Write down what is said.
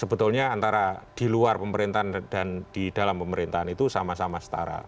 sebetulnya antara di luar pemerintahan dan di dalam pemerintahan itu sama sama setara